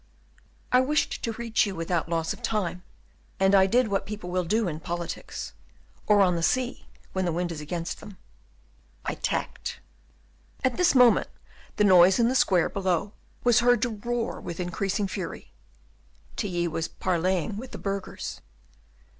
"I wished to reach you without loss of time, and I did what people will do in politics, or on the sea when the wind is against them, I tacked." At this moment the noise in the square below was heard to roar with increasing fury. Tilly was parleying with the burghers.